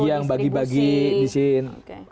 iya dia yang bagi bagi di sini